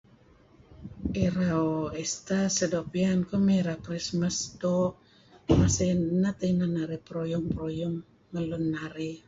Irau Easter seh doo' pian kuh mey Irau Krismas. Doo' masa ineh teh inan narih peruyung-peruyung ngen lun narih.